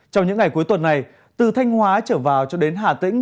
trong những ngày cuối tuần này từ thanh hóa trở vào cho đến hà tĩnh